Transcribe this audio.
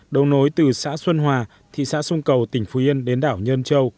đông nối từ xã xuân hòa thị xã sông cầu tỉnh phú yên đến đảo nhân châu